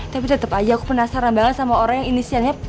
tapi tetap aja aku penasaran banget sama orang yang inisialnya